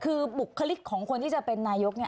คือบุคลิกของคนที่จะเป็นนายก